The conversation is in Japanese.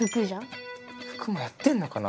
服もやってるのかな？